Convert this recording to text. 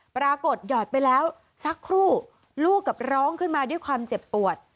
หยอดไปแล้วสักครู่ลูกกับร้องขึ้นมาด้วยความเจ็บปวด